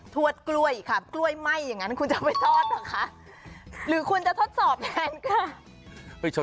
วดกล้วยค่ะกล้วยไหม้อย่างนั้นคุณจะไปทอดเหรอคะหรือคุณจะทดสอบแทนค่ะ